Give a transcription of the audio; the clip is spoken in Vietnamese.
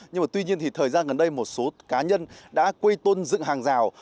nhưng tuy nhiên thời gian gần đây một số cá nhân đã quây tôn dựng hàng rào